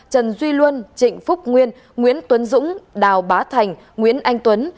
trần duy luân trịnh phúc nguyên nguyễn tuấn dũng đào bá thành nguyễn anh tuấn